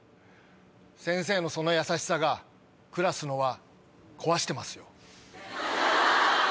先生のその優しさがクラスの和壊してますよ。